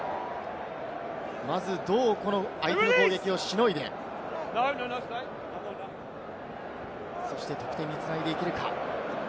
まず、どう相手の攻撃をしのいで、そして得点に繋いでいけるか。